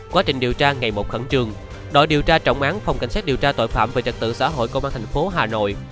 quá trình điều tra ngày một khẩn trương đội điều tra trọng án phòng cảnh sát điều tra tội phạm về trật tự xã hội công an tp hà nội